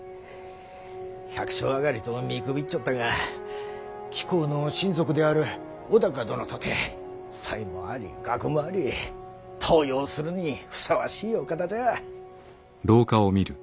百姓上がりと見くびっちょったが貴公の親族である尾高殿とて才もあり学もあり登用するにふさわしいお方じゃ。